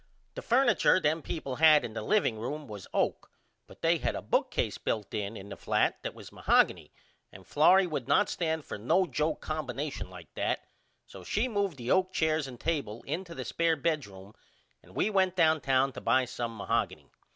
The furniture them people had in the liveing room was oak but they had a bookcase bilt in in the flat that was mohoggeny and Florrie would not stand for no joke combination like that so she moved the oak chairs and table in to the spair bedroom and we went downtown to buy some mohoggeny.